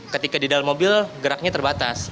ketika di dalam mobil geraknya terbatas